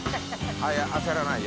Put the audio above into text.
焦らないよ。